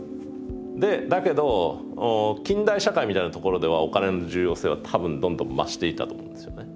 でだけど近代社会みたいな所ではお金の重要性は多分どんどん増していったと思うんですよね。